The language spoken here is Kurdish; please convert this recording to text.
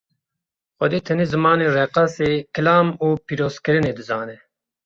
Xwedê tenê zimanê reqasê, kilam û pîrozkirinê dizane.